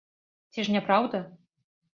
Ці ж не праўда?